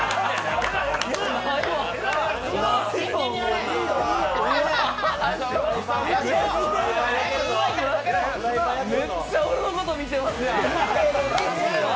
うわ、めっちゃ俺のこと見てますやん！